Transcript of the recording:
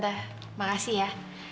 terima kasih ya